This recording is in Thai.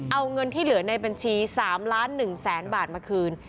เอาเงินที่เหลือในบัญชี๓ล้าน๑แสนบาทมาคืน